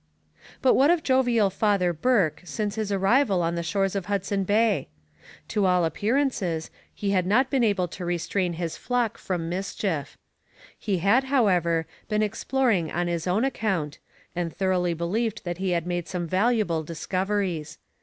But what of jovial Father Burke since his arrival on the shores of Hudson Bay? To all appearances, he had not been able to restrain his flock from mischief. He had, however, been exploring on his own account, and thoroughly believed that he had made some valuable discoveries.